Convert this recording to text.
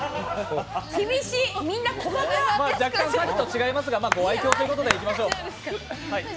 若干さっきと違いますが、ご愛きょうということでいきましょう。